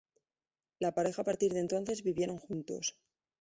La pareja a partir de entonces vivieron juntos.